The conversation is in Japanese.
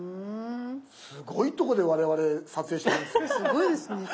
すごいとこで我々撮影してますね。